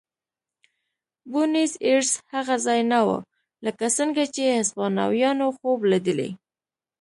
بونیس ایرس هغه ځای نه و لکه څنګه چې هسپانویانو خوب لیدلی.